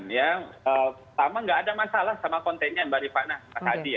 pertama tidak ada masalah dengan kontennya yang diberikan oleh pak mas hadi